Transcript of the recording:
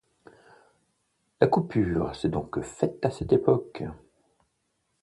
La coupure s'est donc faite à cette époque.